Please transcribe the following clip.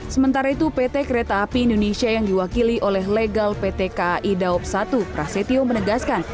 sementara itu pt kereta api indonesia yang diwakili oleh legal pt kai daob satu prasetyo menegaskan